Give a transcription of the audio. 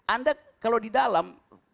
anda kalau di dalam